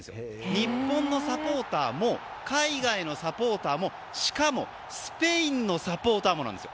日本のサポーターも海外のサポーターもしかも、スペインのサポーターもなんですよ。